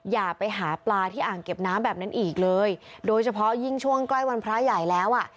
อย่าไปหาปลาที่อ่างเก็บน้ำแบบนั้นอีกเลยโดยเฉพาะยิ่งช่วงใกล้วันพระใหญ่แล้วอ่ะ